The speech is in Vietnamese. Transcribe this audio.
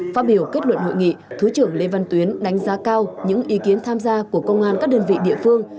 phát biểu kết luận hội nghị thứ trưởng lê văn tuyến đánh giá cao những ý kiến tham gia của công an các đơn vị địa phương